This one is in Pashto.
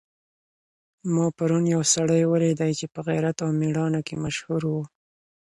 ما پرون یو سړی ولیدی چي په غیرت او مېړانه کي مشهور و.